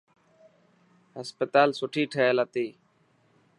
هاسپيٽل سٺي ٺهيل هتي.